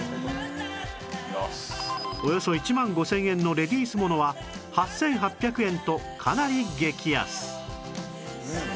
およそ１万５０００円のレディースものは８８００円とかなり激安